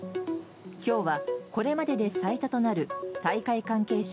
今日はこれまでで最多となる大会関係者